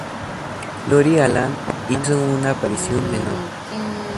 Lori Alan hizo una aparición menor.